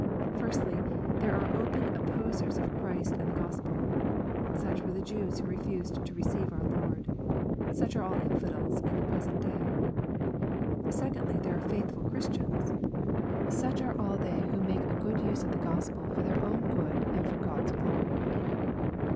Firstly, there are open opposers of Christ and the QospeL Such were the Jews who refused to receive our Lord. Such are fill infidels in the present day. Secondly, tlere are faithful Christians. Such are aD they LUKE. CHAP. XIX. 307 who make a good use of the Gospel, for their own good and for God's glory.